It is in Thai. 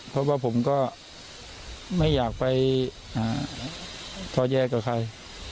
เพราะว่าผมก็ไม่อยากไปท้อแย้กับใคร